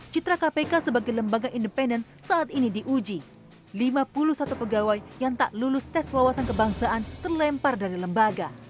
citra kpk sebagai lembaga independen saat ini diuji lima puluh satu pegawai yang tak lulus tes wawasan kebangsaan terlempar dari lembaga